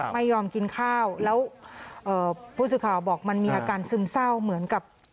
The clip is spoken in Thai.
ไม่ยอมกินข้าวแล้วผู้สื่อข่าวบอกมันมีอาการซึมเศร้าเหมือนกับ